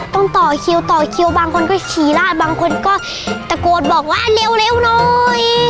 ต้องต่อคิวต่อคิวบางคนก็ขี่ลาดบางคนก็ตะโกนบอกว่าเร็วหน่อย